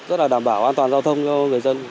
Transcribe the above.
rất là đảm bảo an toàn giao thông cho người dân